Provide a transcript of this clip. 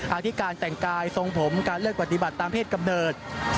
อธิการแต่งกายทรงผมการเลือกปฏิบัติตามเพศกำเนิด